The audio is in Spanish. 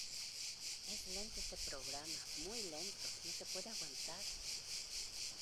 ¡Es lento este programa, muy lento, no se puede aguantar!